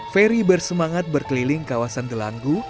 ferry bersemangat berkeliling kawasan delanggu